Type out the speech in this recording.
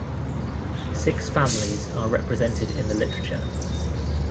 Six families are represented in the literature.